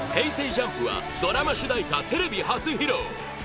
ＪＵＭＰはドラマ主題歌、テレビ初披露！